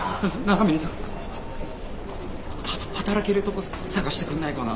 はた働けるとこ探してくんないかな。